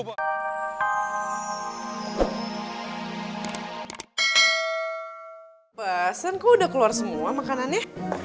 pesan kok udah keluar semua makanannya